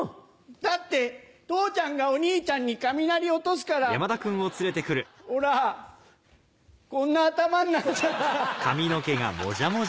だって父ちゃんがお兄ちゃんに雷落とすからほらこんな頭になっちゃった。